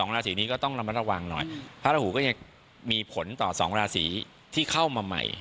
ราศีนี้ก็ต้องระมัดระวังหน่อยพระราหูก็ยังมีผลต่อ๒ราศีที่เข้ามาใหม่